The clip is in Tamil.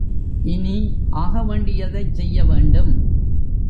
இனி ஆகவேண்டியதைச் செய்ய வேண்டும்.